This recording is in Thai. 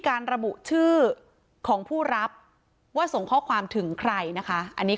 ระบุชื่อของผู้รับว่าส่งข้อความถึงใครนะคะอันนี้